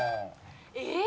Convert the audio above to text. えっ？